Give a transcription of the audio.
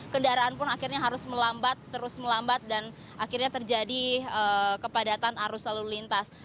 kendaraan pun akhirnya harus melambat terus melambat dan akhirnya terjadi kepadatan arus lalu lintas